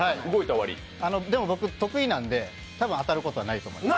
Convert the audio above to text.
でも僕、得意なんで、多分、当たることはないと思います。